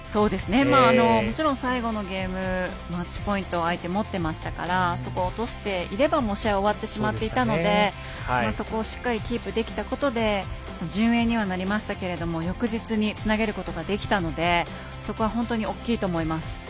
もちろん最後のゲームマッチポイントを相手はそこを落としていれば試合は終わってしまっていたのでそこをしっかりキープできたことで順延にはなりましたけども翌日につなげることができたのでそこは大きいと思います。